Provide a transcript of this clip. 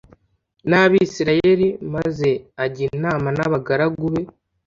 n Abisirayeli maze ajya inama n abagaragu be